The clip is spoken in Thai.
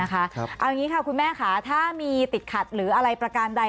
เอาอย่างนี้ค่ะคุณแม่ค่ะถ้ามีติดขัดหรืออะไรประการใด